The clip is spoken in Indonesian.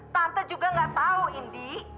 tante juga gak tau indi